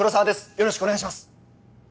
よろしくお願いします